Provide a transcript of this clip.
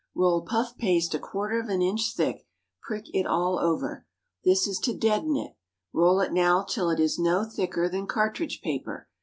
Roll puff paste a quarter of an inch thick; prick it all over this is to deaden it; roll it now till it is no thicker than cartridge paper.